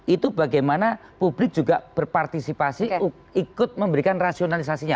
itu bagaimana publik juga berpartisipasi ikut memberikan rasionalisasinya